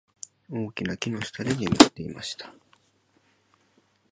大きな木の下で眠っていました。